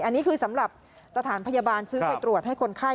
อันนี้คือสำหรับสถานพยาบาลซื้อไปตรวจให้คนไข้